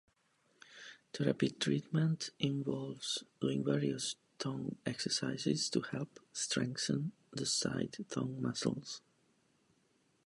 Therapy treatment involves doing various tongue exercises to help strengthen the side tongue muscles.